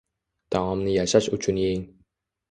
Taomni yashah uchun yeng!